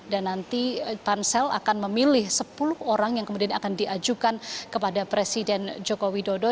dan nanti pansel akan memilih sepuluh orang yang kemudian akan diajukan kepada presiden joko widodo